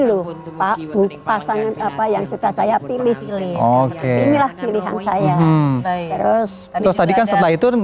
lu aku pasangan apa yang sedang saya pilih pilih oke inilah pilihan saya terus tadi kan setelah itu